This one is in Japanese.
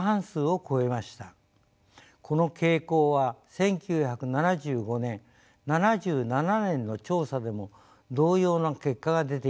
この傾向は１９７５年７７年の調査でも同様な結果が出ています。